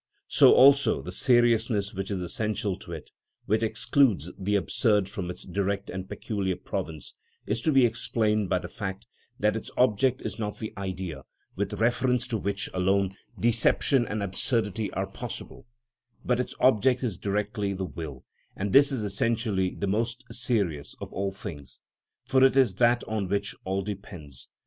So also the seriousness which is essential to it, which excludes the absurd from its direct and peculiar province, is to be explained by the fact that its object is not the idea, with reference to which alone deception and absurdity are possible; but its object is directly the will, and this is essentially the most serious of all things, for it is that on which all depends.